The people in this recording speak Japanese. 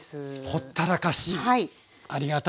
ほったらかしありがたいですね。